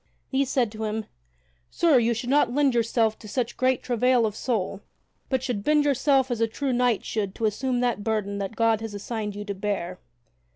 These said to him: "Sir, you should not lend yourself to such great travail of soul, but should bend yourself as a true knight should to assume that burden that God hath assigned you to bear."